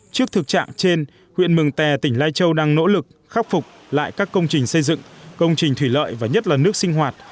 trước thực trạng trên huyện mường tè tỉnh lai châu đang nỗ lực khắc phục lại các công trình xây dựng công trình thủy lợi và nhất là nước sinh hoạt